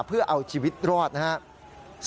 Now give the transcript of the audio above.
เพื่อเอาชีวิตรอดนะครับ